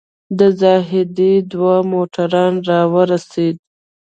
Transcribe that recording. د زاهدي دوی موټر راورسېد.